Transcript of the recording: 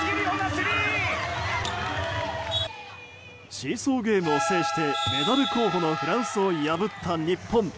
シーソーゲームを制してメダル候補のフランスを破った日本。